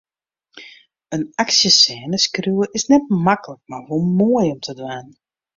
In aksjesêne skriuwe is net maklik, mar wol moai om te dwaan.